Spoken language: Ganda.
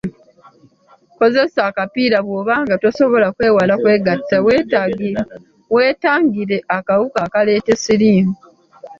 Kozesa akapiira bw'oba nga tosobola kwewala kwegatta weetangire akawuka akaleeta siriimu.